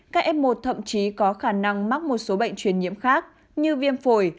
các f một thậm chí có khả năng mắc một số bệnh truyền nhiễm khác như viêm phổi